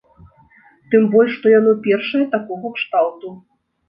Тым больш што яно першае такога кшталту.